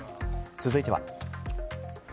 続いては。